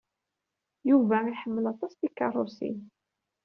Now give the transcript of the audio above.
Yuba iḥemmel aṭas tikeṛṛusin.